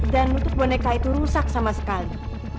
dan nutup boneka itu rusak sama sekali